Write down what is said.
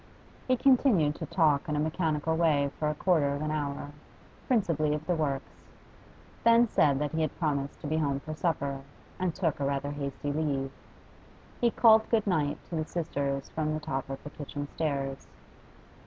He continued to talk in a mechanical way for a quarter of an hour, principally of the works; then said that he had promised to be home for supper, and took a rather hasty leave. He called good night to the sisters from the top of the kitchen stairs.